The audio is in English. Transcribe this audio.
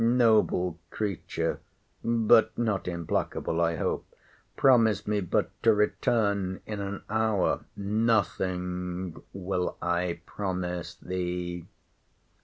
Noble creature! but not implacable, I hope!—Promise me but to return in an hour! Nothing will I promise thee!